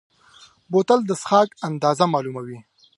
بوتل د څښاک اندازه معلوموي.